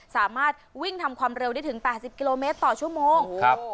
สามารถวิ่งทำความเร็วได้ถึง๘๐กิโลเมตรต่อชั่วโมงครับ